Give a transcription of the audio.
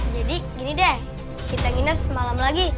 jadi gini deh kita nginep semalam lagi